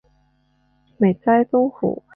美哉东湖！